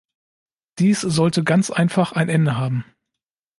Dies sollte ganz einfach ein Ende haben.